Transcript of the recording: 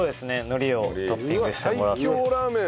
のりをトッピングしてもらって。